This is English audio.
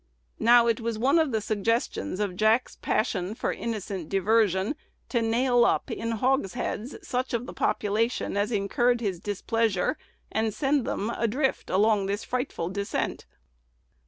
Now, it was one of the suggestions of Jack's passion for innocent diversion to nail up in hogsheads such of the population as incurred his displeasure, and send them adrift along this frightful descent.